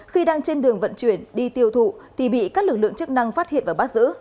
khi đang trên đường vận chuyển đi tiêu thụ thì bị các lực lượng chức năng phát hiện và bắt giữ